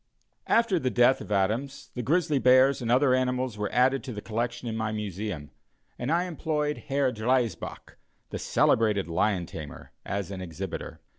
After the death of Adams, the grizzly bears and other animals were added to the collection in my Museum, and I employed Herr Driesbach, the celebrated lion tamer, as an exhibitor.